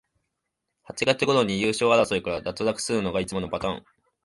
八月ごろに優勝争いから脱落するのがいつものパターン